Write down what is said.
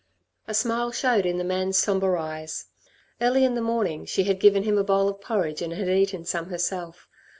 A smile showed in the man's sombre eyes. Early in the morning she had given him a bowl of porridge and had eaten some herself.